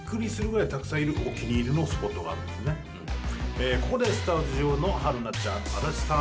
ええ、ここでスタジオの春菜ちゃん、足立さん